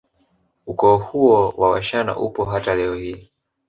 Ukoo huo wa washana upo hata leo hii